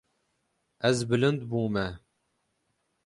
Ez bilind bûme.